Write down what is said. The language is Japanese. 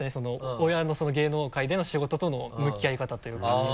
親の芸能界での仕事との向き合い方というか。